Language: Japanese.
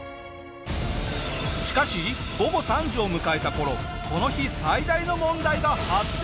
しかし午後３時を迎えた頃この日最大の問題が発生！